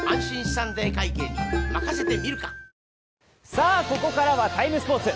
さあ、ここからは「ＴＩＭＥ，スポーツ」。